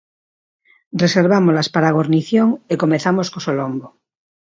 Reservámolas para a gornición e comezamos co solombo.